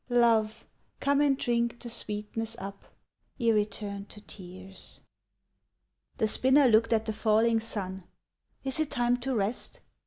Love, come and drink the sweetness up Ere it turn to tears." The spinner looked at the falling sun: "Is it time to rest?